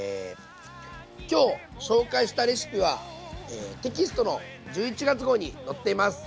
今日紹介したレシピはテキストの１１月号に載っています。